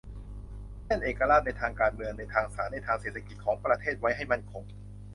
เช่น เอกราชในทางการเมือง ในทางศาล ในทางเศรษฐกิจ ของประเทศไว้ให้มั่นคง